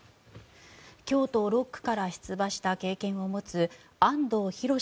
京都６区から出馬した経験を持つ安藤裕